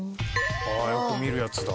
よく見るやつだ。